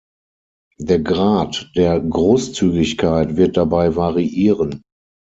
Der Grad der Großzügigkeit wird dabei variieren.